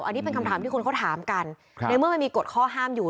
อันนี้เป็นคำถามที่คนเขาถามกันในเมื่อมันมีกฎข้อห้ามอยู่